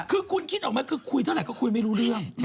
คือคุณคิดออกไหมคือคุยเท่าไหรก็คุยไม่รู้เรื่อง